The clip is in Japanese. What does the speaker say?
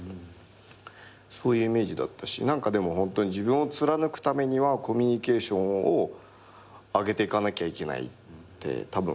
そういうイメージだったし何かでもホントに自分を貫くためにはコミュニケーションを上げていかなきゃいけないってたぶん一緒だと。